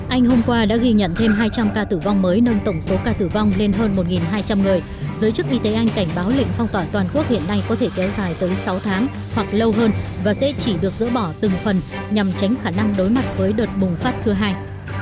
anh hôm qua đã ghi nhận thêm hai trăm linh ca tử vong mới nâng tổng số ca tử vong lên hơn một hai trăm linh người giới chức y tế anh cảnh báo lệnh phong tỏa toàn quốc hiện nay có thể kéo dài tới sáu tháng hoặc lâu hơn và sẽ chỉ được dỡ bỏ từng phần nhằm tránh khả năng đối mặt với đợt bùng phát thứ hai